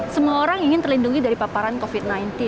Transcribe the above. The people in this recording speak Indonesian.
semua orang ingin terlindungi dari paparan covid sembilan belas